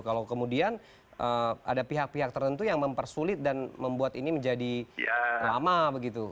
kalau kemudian ada pihak pihak tertentu yang mempersulit dan membuat ini menjadi lama begitu